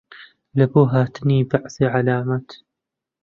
لەبۆ هاتنی بەعزێ عەلامات